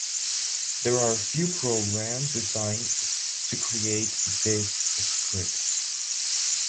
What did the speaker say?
There are few programs designed to create these scripts.